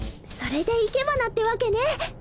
それで生け花ってわけね！